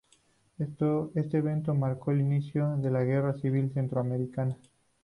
Este evento marcó el inicio de la Guerra Civil Centroamericana.